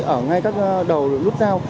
ở ngay các đầu lút dao